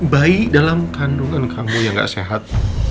bayi dalam kandungan kamu yang gak sehat